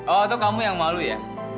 oh itu kamu yang malu ya